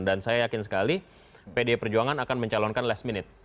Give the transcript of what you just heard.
dan saya yakin sekali pdi perjuangan akan mencalonkan last minute